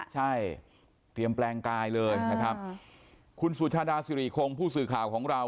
ใช่เตรียมแปลงกายเลยนะครับคุณสุชาดาสิริคงผู้สื่อข่าวของเรา